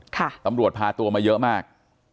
ตำรวจพาตัวมาเยอะมาก